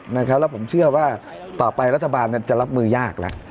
แล้วผมเชื่อว่าต่อไปรัฐบาลจะรับมือยากแล้ว